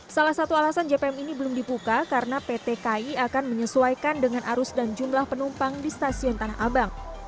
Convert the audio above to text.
salah satu alasan jpm ini belum dibuka karena pt ki akan menyesuaikan dengan arus dan jumlah penumpang di stasiun tanah abang